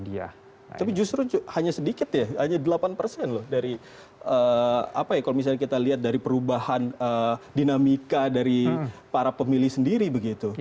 kalau misalnya kita lihat dari perubahan dinamika dari para pemilih sendiri begitu